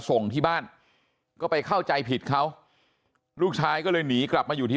ส่งที่บ้านก็ไปเข้าใจผิดเขาลูกชายก็เลยหนีกลับมาอยู่ที่